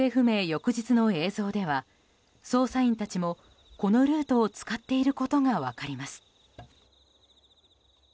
翌日の映像では捜査員たちもこのルートを使っていることが分かります。